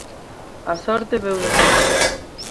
A sorte veu de cara.